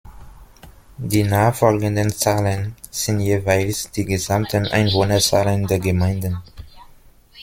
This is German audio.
Die nachfolgenden Zahlen sind jeweils die gesamten Einwohnerzahlen der Gemeinden.